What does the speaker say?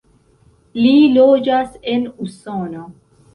Li loĝas en Usono.